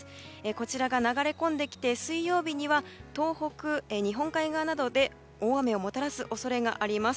こちらが流れ込んできて水曜日には東北、日本海側などで大雨をもたらす恐れがあります。